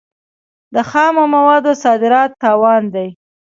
د خامو موادو صادرات تاوان دی.